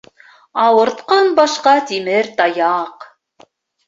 Ауыртҡан башҡа тимер таяҡ.